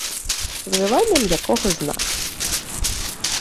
Вживання м'якого знака